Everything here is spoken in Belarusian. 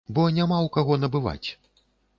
Бо няма ў каго набываць!